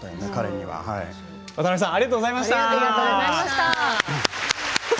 僕もなんかありがとうございました。